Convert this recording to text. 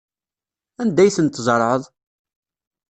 Anda ay ten-tzerɛeḍ?